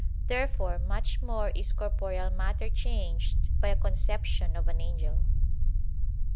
Therefore much more is corporeal matter changed by a conception of an angel.